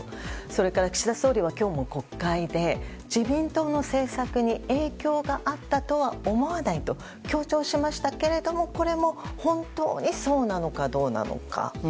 それから岸田総理は今日も国会で自民党の政策に影響があったとは思わないと強調しましたけれどもこれも本当にそうなのかどうか。